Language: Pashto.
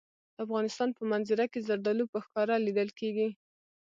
د افغانستان په منظره کې زردالو په ښکاره لیدل کېږي.